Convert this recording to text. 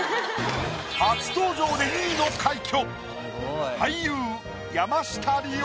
初登場で２位の快挙。